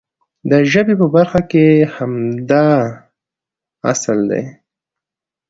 د ژبې په برخه کې هم همدا اصل دی.